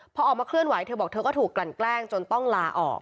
พอออกมาเคลื่อนไหวเธอบอกเธอก็ถูกกลั่นแกล้งจนต้องลาออก